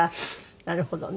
なるほどね。